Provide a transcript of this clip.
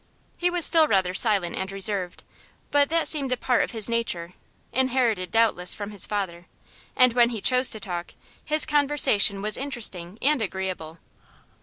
He was still rather silent and reserved; but that seemed a part of his nature, inherited doubtless from his father, and when he chose to talk his conversation was interesting and agreeable.